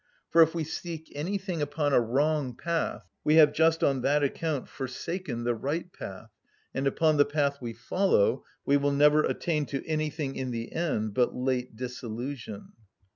For if we seek anything upon a wrong path, we have just on that account forsaken the right path, and upon the path we follow we will never attain to anything in the end but late disillusion.